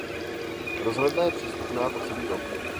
Rozhledna je přístupná po celý rok.